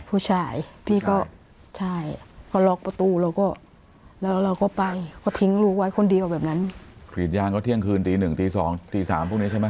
๑ที๒ที๓พวกนี้ใช่ไหม